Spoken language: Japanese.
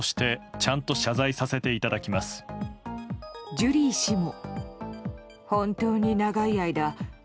ジュリー氏も。